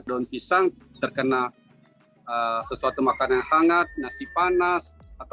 daun pisang terkena sesuatu makanan yang hangat nasi panas